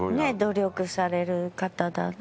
努力される方だな。